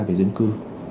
về dân cư